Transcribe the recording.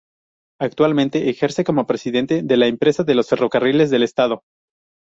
Actualmente ejerce como presidente de la Empresa de los Ferrocarriles del Estado.